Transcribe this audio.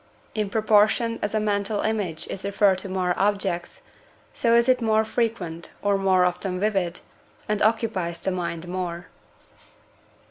In proportion as a mental image is referred to more objects, so is it more frequent, or more often vivid, and occupies the mind more.